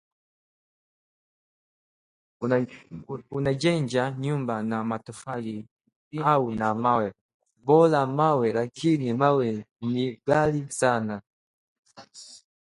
Unajenja nyumba na matofali au na mawe. Bora mawe lakini mawe ni ghali sana.